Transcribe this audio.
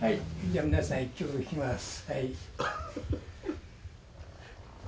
じゃあ皆さん一曲弾きます。